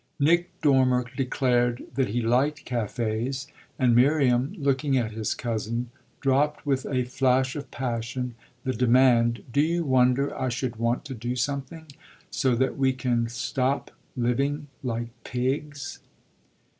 Nick Dormer declared that he liked cafés, and Miriam, looking at his cousin, dropped with a flash of passion the demand: "Do you wonder I should want to do something so that we can stop living like pigs?"